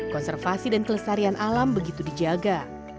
konservasi dan kelestarian alam begitu dijaga